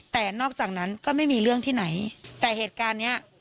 แต่นอกจากนั้นก็ไม่มีเรื่องที่ไหนแต่เหตุการณ์เนี้ย